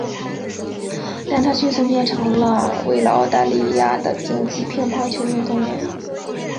但她迅速变成为了澳大利亚的顶级乒乓球运动员。